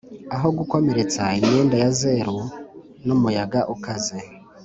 aho, gukomeretsa imyenda ya zeru n'umuyaga ukaze,